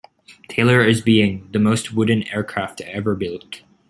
Taylor as being: the most wooden aircraft ever built.